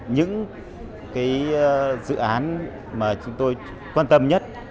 những dự án mà chúng tôi quan tâm nhất